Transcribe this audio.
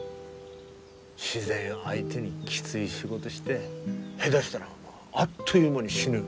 自然相手にきつい仕事して下手したらあっという間に死ぬ。